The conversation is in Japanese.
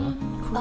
あ！